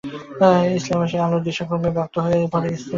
ইসলামের সেই আলোর দিশা ক্রমে ব্যাপ্ত হয়ে পড়ে পৃথিবীর বিভিন্ন কোণে।